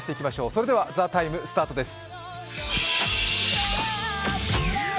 それでは「ＴＨＥＴＩＭＥ，」スタートです。